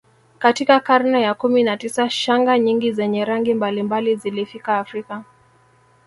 Katika karne ya kumi na tisa shanga nyingi zenye rangi mbalimbali zilifika Afrika